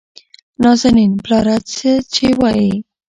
نازنين : پلاره څه چې وايې؟